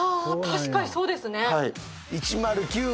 確かにそうですね。